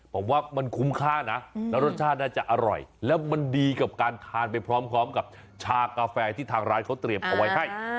ผมว่ามันคุ้มค่านะแล้วรสชาติน่าจะอร่อยแล้วมันดีกับการทานไปพร้อมกับชากาแฟที่ทางร้านเขาเตรียมเอาไว้ให้